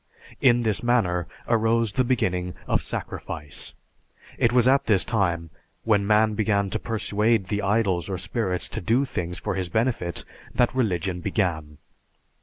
In this manner arose the beginning of "sacrifice." It was at this time, when man began to persuade the idols or spirits to do things for his benefit that religion began.